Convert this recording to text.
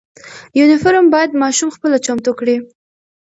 یونیفرم باید ماشوم خپله چمتو کړي.